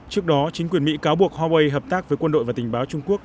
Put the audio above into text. trước đó chính quyền mỹ cáo buộc huawei hợp tác với quân đội và tình báo trung quốc